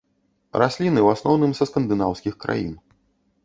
Расліны ў асноўным са скандынаўскіх краін.